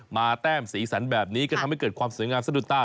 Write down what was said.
แต้มสีสันแบบนี้ก็ทำให้เกิดความสวยงามสะดุดตา